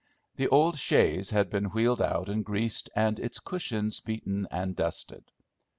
The old chaise had been wheeled out and greased, and its cushions beaten and dusted.